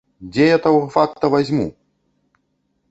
Дзе я таго факта вазьму!